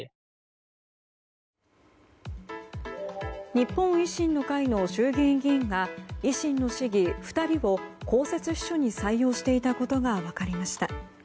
日本維新の会の衆議院議員が維新の市議２人を公設秘書に採用していたことが分かりました。